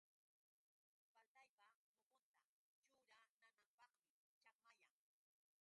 Paltaypa muhunta churananapqmi chakmayan.